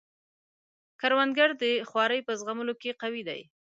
کروندګر د خوارۍ په زغملو کې قوي دی